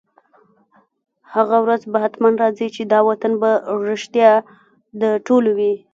هغه ورځ به حتماً راځي، چي دا وطن به رشتیا د ټولو وي